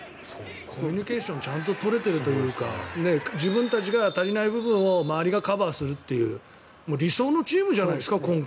コミュニケーションをちゃんと取れているというか自分たちに足りない部分を周りがカバーするという理想のチームじゃないですか今回。